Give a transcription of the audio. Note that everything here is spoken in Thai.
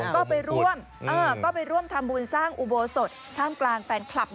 ก็ไปร่วมก็ไปร่วมทำบุญสร้างอุโบสถท่ามกลางแฟนคลับ